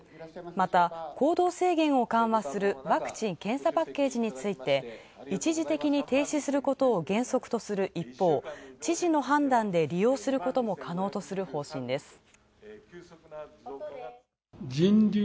また、行動制限を緩和するワクチン・検査パッケージについて一時的に停止することを原則とする一方、知事の判断で利用することも可能とする方針です。